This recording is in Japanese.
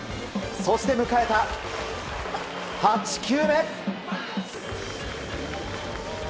そして迎えた８球目。